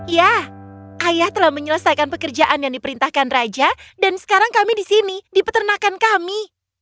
ya ayah telah menyelesaikan pekerjaan yang diperintahkan raja dan sekarang kami di sini di peternakan kami